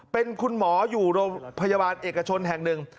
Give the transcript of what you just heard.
เป็นคุณหมออยู่โรงพยาบาลเอกชนแห่งหนึ่ง